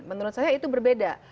menurut saya itu berbeda